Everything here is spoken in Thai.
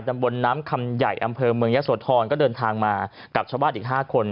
ตำบลน้ำคำใหญ่อำเภอเมืองยะโสธรก็เดินทางมากับชาวบ้านอีก๕คน